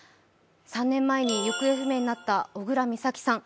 ３年前に行方不明になった小倉美咲さん。